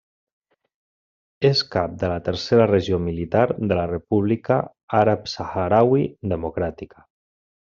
És cap de la tercera regió militar de la República Àrab Sahrauí Democràtica.